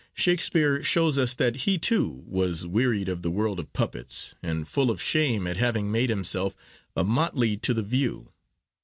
Shakespeare shows us that he too was wearied of the world of puppets, and full of shame at having made himself 'a motley to the view.